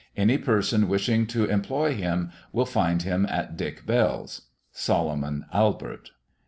Any Person wishing to employ him will find him at Dick Bells. "Solomon Albert."